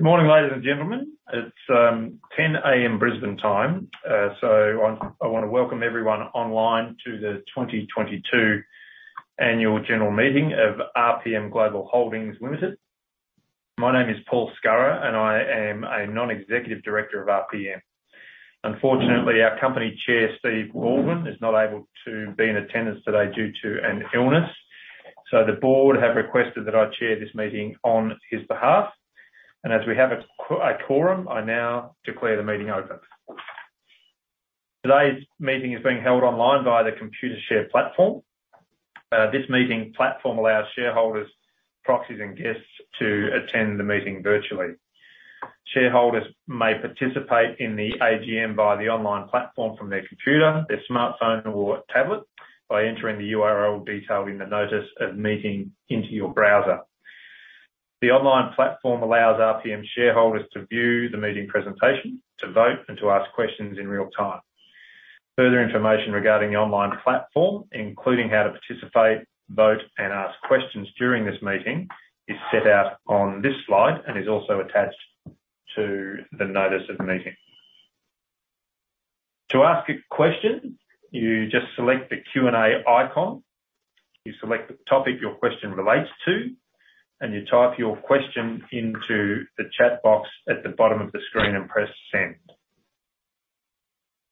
Good morning, ladies and gentlemen. It's 10:00 A.M. Brisbane time. I wanna welcome everyone online to the 2022 annual general meeting of RPMGlobal Holdings Limited. My name is Paul Scurrah, and I am a non-executive director of RPM. Unfortunately, our company Chairman, Steve Baldwin, is not able to be in attendance today due to an illness. The board have requested that I chair this meeting on his behalf. As we have a quorum, I now declare the meeting open. Today's meeting is being held online via the Computershare platform. This meeting platform allows shareholders, proxies, and guests to attend the meeting virtually. Shareholders may participate in the AGM via the online platform from their computer, their smartphone or tablet by entering the URL detailed in the notice of meeting into your browser. The online platform allows RPM shareholders to view the meeting presentation, to vote, and to ask questions in real time. Further information regarding the online platform, including how to participate, vote, and ask questions during this meeting, is set out on this slide and is also attached to the notice of the meeting. To ask a question, you just select the Q&A icon. You select the topic your question relates to, and you type your question into the chat box at the bottom of the screen and press Send.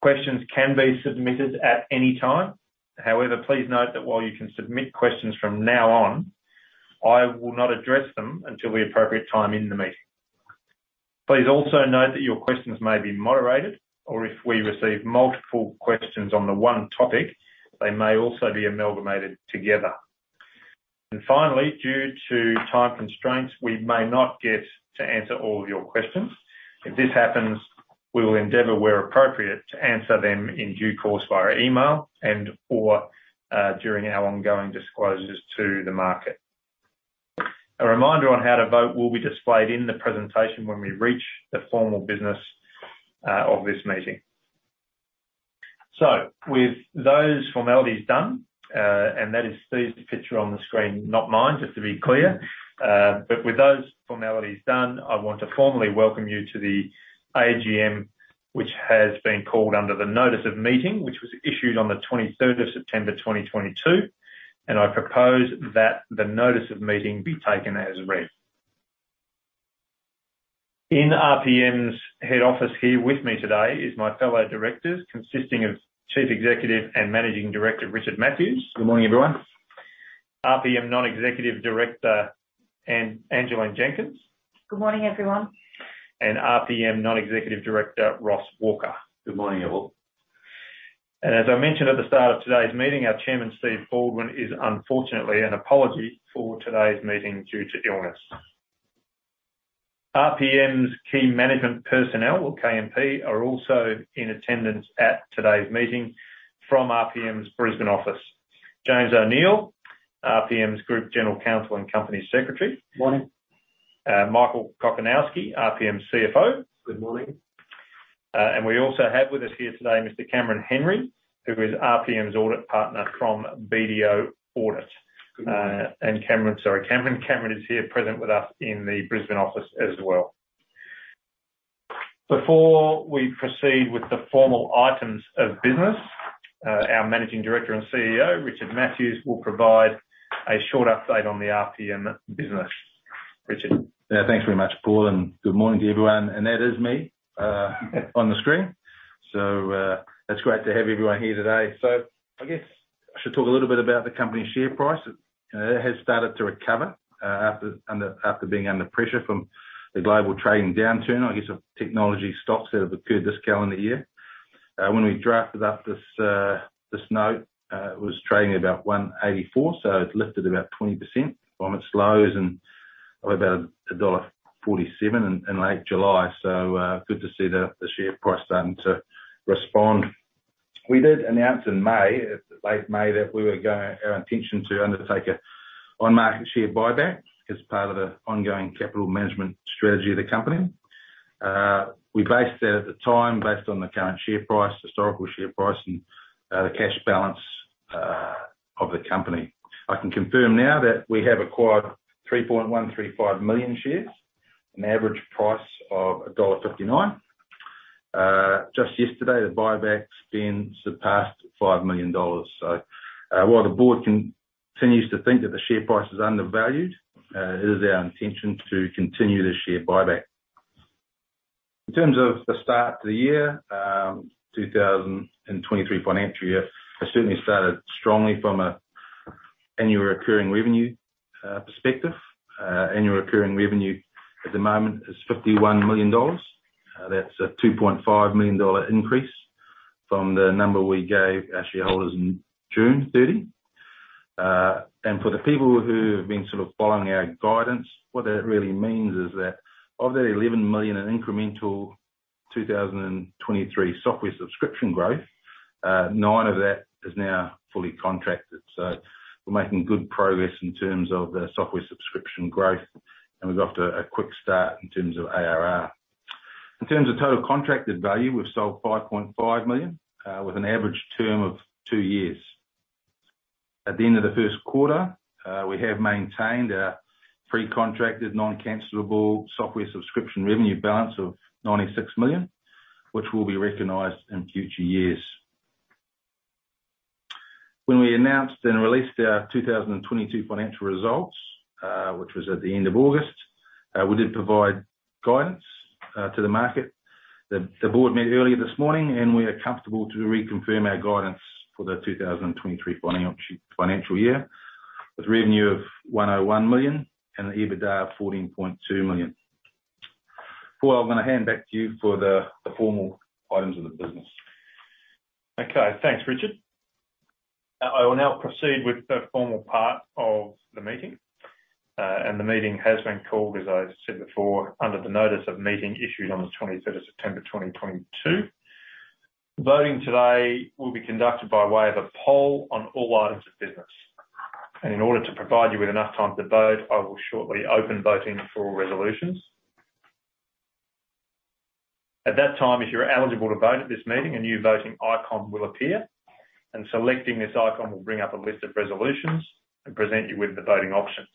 Questions can be submitted at any time. However, please note that while you can submit questions from now on, I will not address them until the appropriate time in the meeting. Please also note that your questions may be moderated, or if we receive multiple questions on the one topic, they may also be amalgamated together. Finally, due to time constraints, we may not get to answer all of your questions. If this happens, we will endeavor where appropriate to answer them in due course via email and/or during our ongoing disclosures to the market. A reminder on how to vote will be displayed in the presentation when we reach the formal business of this meeting. With those formalities done, and that is Steve's picture on the screen, not mine, just to be clear. With those formalities done, I want to formally welcome you to the AGM, which has been called under the notice of meeting, which was issued on the 23rd of September 2022, and I propose that the notice of meeting be taken as read. In RPM's head office here with me today is my fellow directors consisting of Chief Executive and Managing Director, Richard Mathews. Good morning, everyone. RPM Non-Executive Director Angeleen Jenkins. Good morning, everyone. RPM Non-Executive Director, Ross Walker. Good morning, everyone. As I mentioned at the start of today's meeting, our Chairman, Stephen Baldwin, is unfortunately an apology for today's meeting due to illness. RPM's key management personnel or KMP are also in attendance at today's meeting from RPM's Brisbane office. James O'Neill, RPM's Group General Counsel and Company Secretary. Morning. Michael Kochanowski, RPM's CFO. Good morning. We also have with us here today Mr. Cameron Henry, who is RPM's Audit Partner from BDO Audit. Good morning. Cameron, sorry. Cameron is here present with us in the Brisbane office as well. Before we proceed with the formal items of business, our Managing Director and CEO, Richard Mathews, will provide a short update on the RPM business. Richard. Yeah. Thanks very much, Paul, and good morning to everyone. That is me on the screen. It's great to have everyone here today. I guess I should talk a little bit about the company's share price. It has started to recover after being under pressure from the global trading downturn, I guess of technology stocks that have occurred this calendar year. When we drafted up this note, it was trading at about 1.84, so it's lifted about 20% from its lows of about dollar 1.47 in late July. Good to see the share price starting to respond. We did announce in May, late May, that our intention to undertake an on-market share buyback as part of the ongoing capital management strategy of the company. We based that at the time on the current share price, historical share price, and the cash balance of the company. I can confirm now that we have acquired 3.135 million shares at an average price of dollar 1.59 million. Just yesterday, the buyback spend surpassed 5 million dollars. While the board continues to think that the share price is undervalued, it is our intention to continue the share buyback. In terms of the start to the year, 2023 financial year, it certainly started strongly from an annual recurring revenue perspective. Annual recurring revenue at the moment is 51 million dollars. That's a 2.5 million dollar increase from the number we gave our shareholders in June 30. For the people who have been sort of following our guidance, what that really means is that of that 11 million in incremental 2023 software subscription growth, 9 million of that is now fully contracted. We're making good progress in terms of the software subscription growth, and we got off to a quick start in terms of ARR. In terms of total contracted value, we've sold 5.5 million with an average term of two years. At the end of the first quarter, we have maintained our pre-contracted, non-cancelable software subscription revenue balance of 96 million, which will be recognized in future years. When we announced and released our 2022 financial results, which was at the end of August, we did provide guidance to the market. The board met earlier this morning, and we are comfortable to reconfirm our guidance for the 2023 financial year, with revenue of 101 million and an EBITDA of 14.2 million. Paul, I'm gonna hand back to you for the formal items of the business. Okay. Thanks, Richard. I will now proceed with the formal part of the meeting. The meeting has been called, as I said before, under the notice of meeting issued on the 23rd of September, 2022. Voting today will be conducted by way of a poll on all items of business. In order to provide you with enough time to vote, I will shortly open voting for all resolutions. At that time, if you're eligible to vote at this meeting, a new voting icon will appear, and selecting this icon will bring up a list of resolutions and present you with the voting options.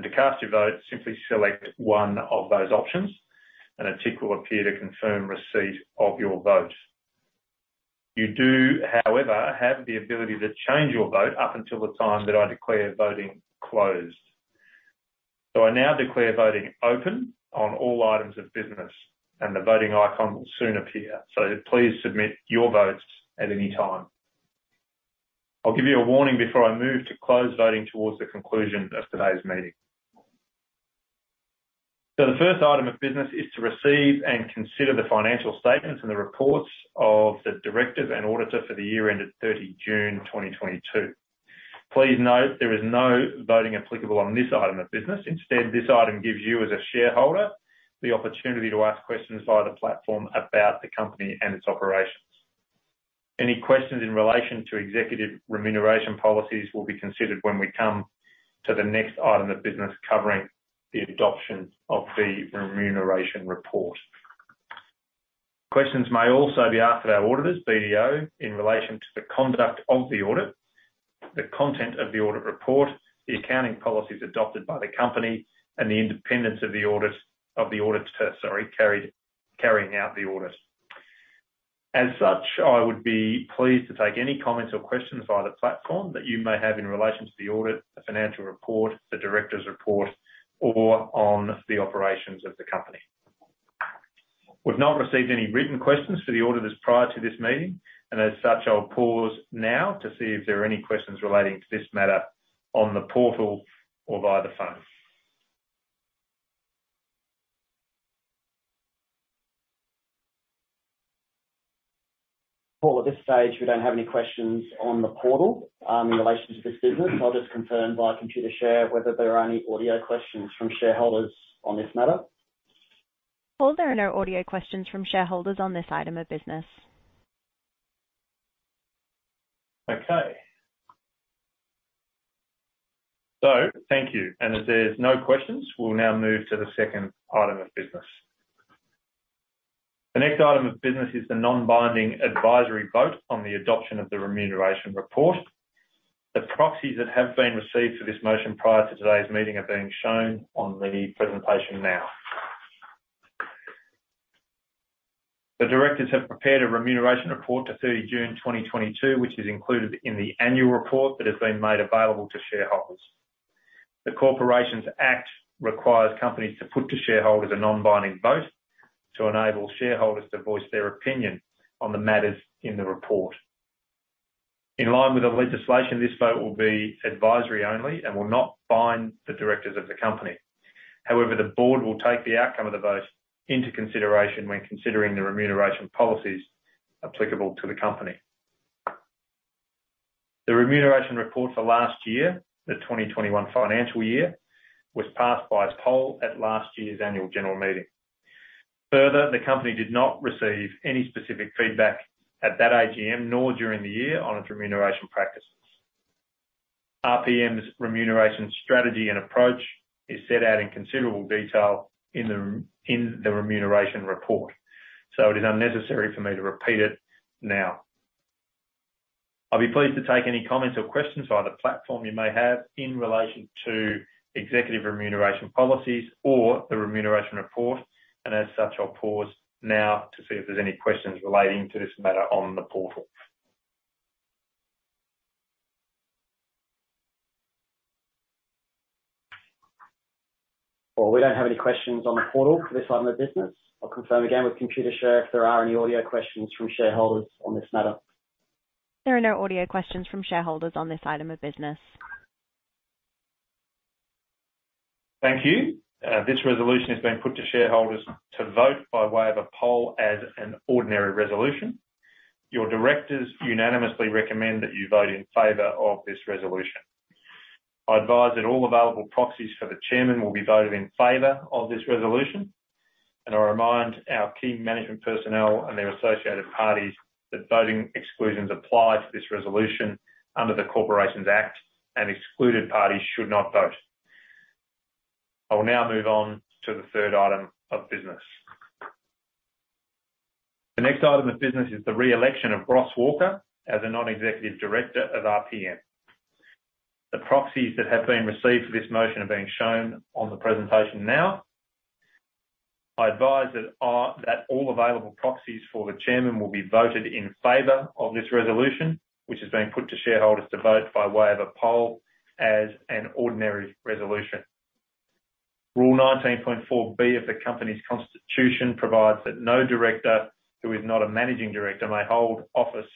To cast your vote, simply select one of those options, and a tick will appear to confirm receipt of your vote. You do, however, have the ability to change your vote up until the time that I declare voting closed. I now declare voting open on all items of business, and the voting icon will soon appear. Please submit your votes at any time. I'll give you a warning before I move to close voting towards the conclusion of today's meeting. The first item of business is to receive and consider the financial statements and the reports of the directors and auditor for the year ended June 30, 2022. Please note there is no voting applicable on this item of business. Instead, this item gives you, as a shareholder, the opportunity to ask questions via the platform about the company and its operations. Any questions in relation to executive remuneration policies will be considered when we come to the next item of business covering the adoption of the remuneration report. Questions may also be asked of our auditors, BDO, in relation to the conduct of the audit, the content of the audit report, the accounting policies adopted by the company, and the independence of the audit, of the auditors carrying out the audit. I would be pleased to take any comments or questions via the platform that you may have in relation to the audit, the financial report, the director's report, or on the operations of the company. We've not received any written questions for the auditors prior to this meeting, and as such, I'll pause now to see if there are any questions relating to this matter on the portal or via the phone. Paul, at this stage, we don't have any questions on the portal, in relation to this business. I'll just confirm via Computershare whether there are any audio questions from shareholders on this matter. Paul, there are no audio questions from shareholders on this item of business. Okay. Thank you. As there's no questions, we'll now move to the second item of business. The next item of business is the non-binding advisory vote on the adoption of the remuneration report. The proxies that have been received for this motion prior to today's meeting are being shown on the presentation now. The directors have prepared a remuneration report to June 30, 2022, which is included in the annual report that has been made available to shareholders. The Corporations Act requires companies to put to shareholders a non-binding vote to enable shareholders to voice their opinion on the matters in the report. In line with the legislation, this vote will be advisory only and will not bind the directors of the company. However, the board will take the outcome of the vote into consideration when considering the remuneration policies applicable to the company. The remuneration report for last year, the 2021 financial year, was passed by poll at last year's annual general meeting. Further, the company did not receive any specific feedback at that AGM, nor during the year on its remuneration practices. RPM's remuneration strategy and approach is set out in considerable detail in the remuneration report, so it is unnecessary for me to repeat it now. I'll be pleased to take any comments or questions via the platform you may have in relation to executive remuneration policies or the remuneration report. As such, I'll pause now to see if there's any questions relating to this matter on the portal. Well, we don't have any questions on the portal for this item of business. I'll confirm again with Computershare if there are any audio questions from shareholders on this matter. There are no audio questions from shareholders on this item of business. Thank you. This resolution has been put to shareholders to vote by way of a poll as an ordinary resolution. Your directors unanimously recommend that you vote in favor of this resolution. I advise that all available proxies for the chairman will be voted in favor of this resolution. I remind our key management personnel and their associated parties that voting exclusions apply to this resolution under the Corporations Act, and excluded parties should not vote. I will now move on to the third item of business. The next item of business is the re-election of Ross Walker as a non-executive director of RPM. The proxies that have been received for this motion are being shown on the presentation now. I advise that all available proxies for the chairman will be voted in favor of this resolution, which is being put to shareholders to vote by way of a poll as an ordinary resolution. Rule 19.4B of the company's constitution provides that no director who is not a managing director may hold office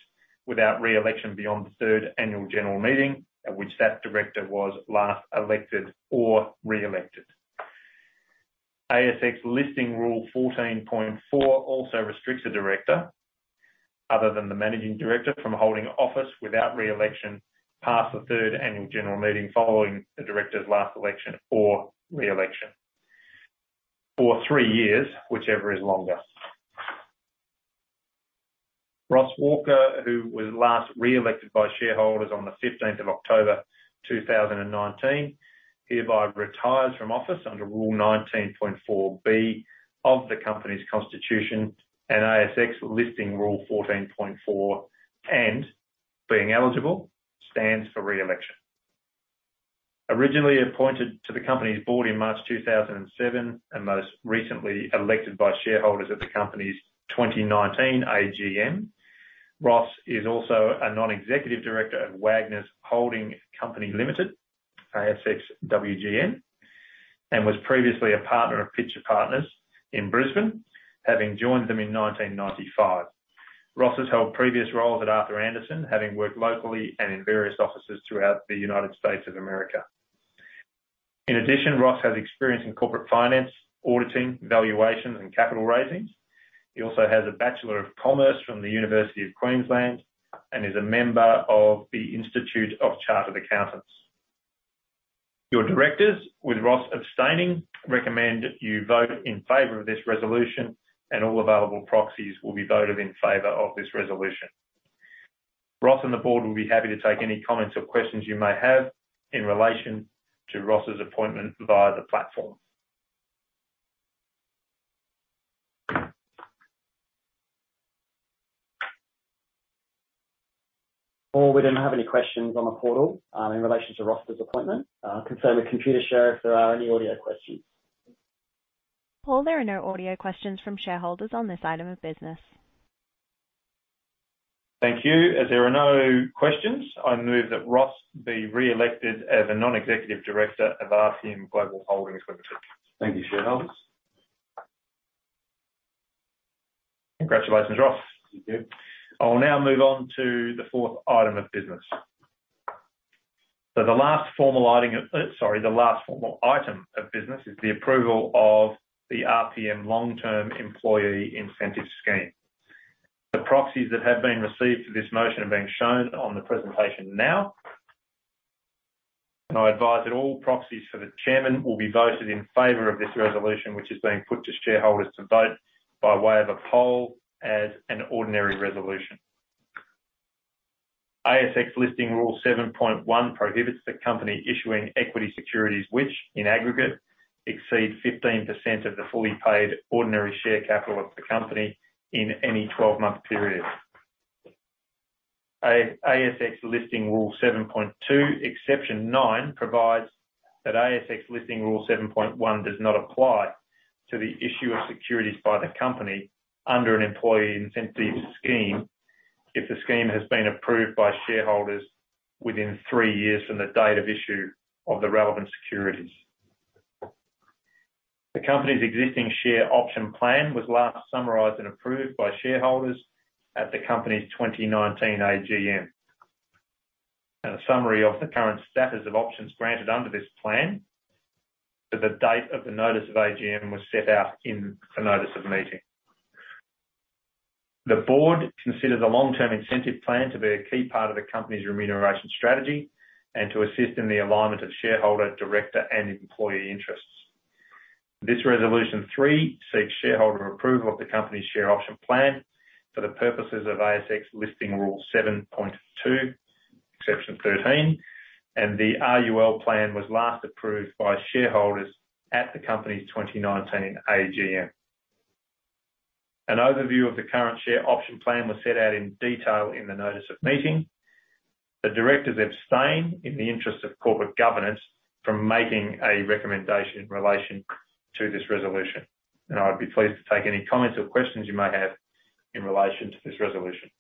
without re-election beyond the third annual general meeting at which that director was last elected or re-elected. ASX Listing Rule 14.4 also restricts a director, other than the managing director, from holding office without re-election past the third annual general meeting following the director's last election or re-election for three years, whichever is longer. Ross Walker, who was last re-elected by shareholders on the 15th of October 2019, hereby retires from office under rule 19.4B of the company's constitution and ASX listing rule 14.4, and being eligible, stands for re-election. Originally appointed to the company's board in March 2007, and most recently elected by shareholders at the company's 2019 AGM, Ross is also a non-executive director of Wagners Holding Company Limited, ASX WGN, and was previously a partner of Pitcher Partners in Brisbane, having joined them in 1995. Ross has held previous roles at Arthur Andersen, having worked locally and in various offices throughout the United States of America. In addition, Ross has experience in corporate finance, auditing, valuation, and capital raising. He also has a Bachelor of Commerce from the University of Queensland and is a member of the Institute of Chartered Accountants. Your directors, with Ross abstaining, recommend you vote in favor of this resolution, and all available proxies will be voted in favor of this resolution. Ross and the board will be happy to take any comments or questions you may have in relation to Ross's appointment via the platform. Paul, we don't have any questions on the portal, in relation to Ross's appointment. Check with Computershare if there are any audio questions. Paul, there are no audio questions from shareholders on this item of business. Thank you. As there are no questions, I move that Ross be re-elected as a non-executive director of RPMGlobal Holdings Limited. Thank you, shareholders. Congratulations, Ross. Thank you. I will now move on to the fourth item of business. The last formal item of business is the approval of the RPM long-term employee incentive scheme. The proxies that have been received for this motion are being shown on the presentation now. I advise that all proxies for the chairman will be voted in favor of this resolution, which is being put to shareholders to vote by way of a poll as an ordinary resolution. ASX listing rule 7.1 prohibits the company issuing equity securities which, in aggregate, exceed 15% of the fully paid ordinary share capital of the company in any 12-month period. ASX listing rule 7.2, exception nine, provides that ASX listing rule 7.1 does not apply to the issue of securities by the company under an employee incentive scheme if the scheme has been approved by shareholders within three years from the date of issue of the relevant securities. The company's existing share option plan was last summarized and approved by shareholders at the company's 2019 AGM. A summary of the current status of options granted under this plan to the date of the notice of AGM was set out in the notice of meeting. The board considers the long-term incentive plan to be a key part of the company's remuneration strategy and to assist in the alignment of shareholder, director, and employee interests. This resolution three seeks shareholder approval of the company's share option plan for the purposes of ASX listing rule 7.2, exception 13, and the RPM plan was last approved by shareholders at the company's 2019 AGM. An overview of the current share option plan was set out in detail in the notice of meeting. The directors abstain, in the interest of corporate governance, from making a recommendation in relation to this resolution. I'd be pleased to take any comments or questions you may have in relation to this resolution.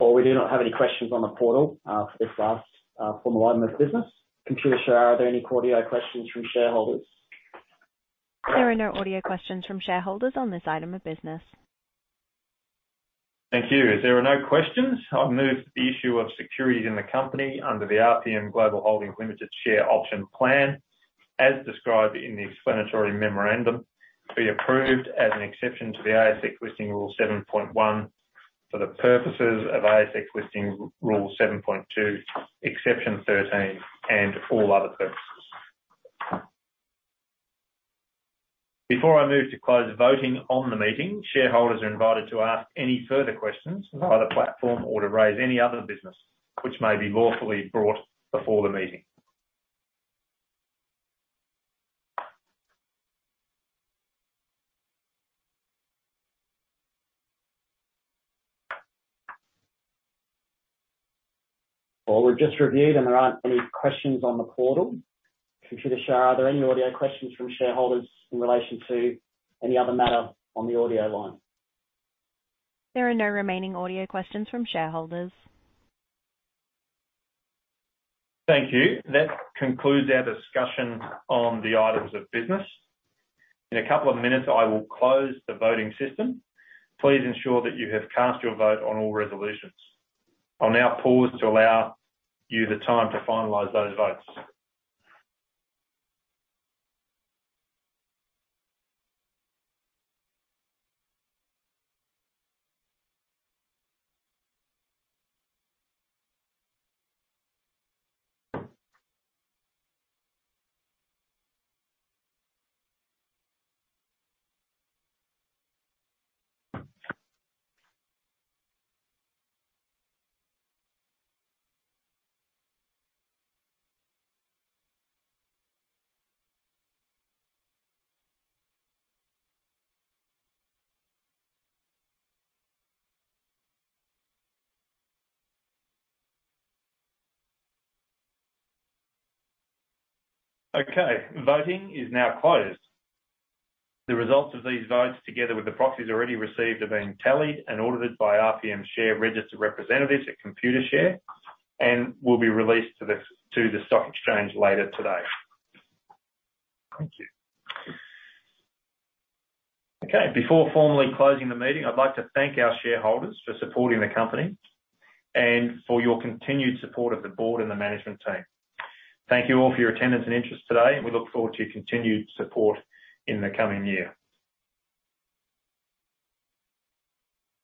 Well, we do not have any questions on the portal for this last formal item of business. Computershare, are there any audio questions from shareholders? There are no audio questions from shareholders on this item of business. Thank you. As there are no questions, I'll move the issue of securities in the company under the RPMGlobal Holdings Limited share option plan, as described in the explanatory memorandum, be approved as an exception to the ASX Listing Rule 7.1 for the purposes of ASX Listing Rule 7.2, exception 13, and all other purposes. Before I move to close voting on the meeting, shareholders are invited to ask any further questions via the platform or to raise any other business which may be lawfully brought before the meeting. Well, we've just reviewed and there aren't any questions on the portal. Computershare, are there any audio questions from shareholders in relation to any other matter on the audio line? There are no remaining audio questions from shareholders. Thank you. That concludes our discussion on the items of business. In a couple of minutes, I will close the voting system. Please ensure that you have cast your vote on all resolutions. I'll now pause to allow you the time to finalize those votes. Okay. Voting is now closed. The results of these votes, together with the proxies already received, are being tallied and audited by RPM Share Registry representatives at Computershare and will be released to the stock exchange later today. Thank you. Okay. Before formally closing the meeting, I'd like to thank our shareholders for supporting the company and for your continued support of the board and the management team. Thank you all for your attendance and interest today. We look forward to your continued support in the coming year.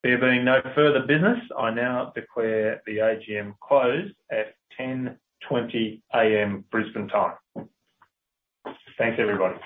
There being no further business, I now declare the AGM closed at 10:20 A.M. Brisbane time. Thanks, everybody.